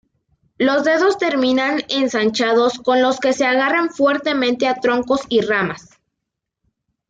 Los dedos terminan ensanchados con los que se agarran fuertemente a troncos y ramas.